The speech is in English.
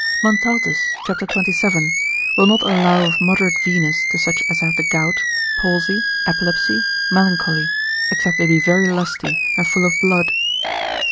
Montaltus cap. 27. will not allow of moderate Venus to such as have the gout, palsy, epilepsy, melancholy, except they be very lusty, and full of blood.